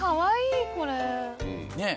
ねえ。